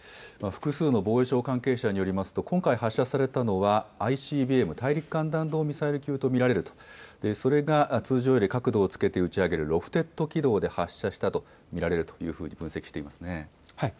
複数の防衛省関係者によりますと今回、発射されたのはＩＣＢＭ・大陸間弾道ミサイル級と見られるということでそれが通常より角度をつけて打たれるロフテッド軌道で発射したと見られると分析していますね。